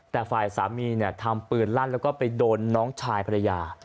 แต่ฝ่ายสามีทำปืนลั่นแล้วก็ไปโดนน้องชายภรรยา